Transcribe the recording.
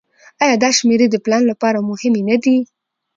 آیا دا شمیرې د پلان لپاره مهمې نه دي؟